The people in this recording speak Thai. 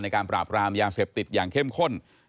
การปราบรามยาเสพติดอย่างเข้มข้น